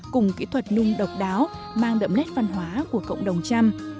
cùng kỹ thuật nung độc đáo mang đậm nét văn hóa của cộng đồng trăm